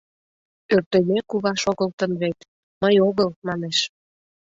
Ӧртӧмӧ кува шогылтын вет, мый огыл, — манеш.